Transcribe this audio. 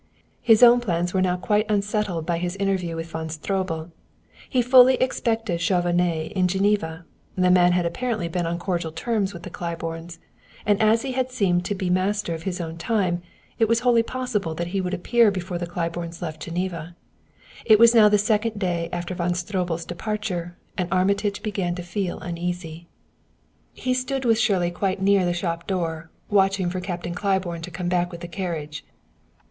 His own plans were now quite unsettled by his interview with Von Stroebel. He fully expected Chauvenet in Geneva; the man had apparently been on cordial terms with the Claibornes; and as he had seemed to be master of his own time, it was wholly possible that he would appear before the Claibornes left Geneva. It was now the second day after Von Stroebel's departure, and Armitage began to feel uneasy. He stood with Shirley quite near the shop door, watching for Captain Claiborne to come back with the carriage.